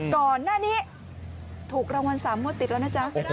ก่อนหน้านี้ถูกรางวัล๓งวดติดแล้วนะจ๊ะ